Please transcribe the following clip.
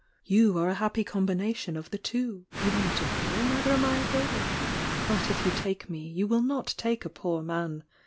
You are a happy combination of the two. You are not a girl — neither am I a boy. But if you take me, you will not take a poor man.